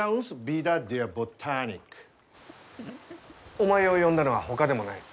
お前を呼んだのはほかでもない。